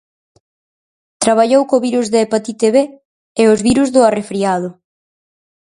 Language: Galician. Traballou co virus da hepatite B e os virus do arrefriado.